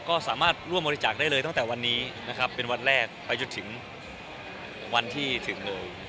ก็สามารถร่วมบริจาคได้เลยตั้งแต่วันนี้นะครับเป็นวันแรกไปจนถึงวันที่ถึงเลย